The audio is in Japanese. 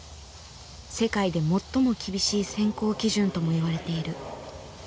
世界で最も厳しい選考基準ともいわれている。